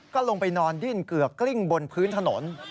ก็ลงไปนอนดิ้นเกือกกลิ้งบนพื้นถนน